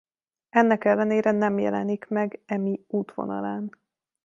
Ennek ellenére nem jelenik meg Emi útvonalán.